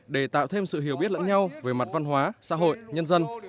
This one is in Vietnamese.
để tạo thêm sự hiểu biết lẫn nhau về mặt văn hóa xã hội nhân dân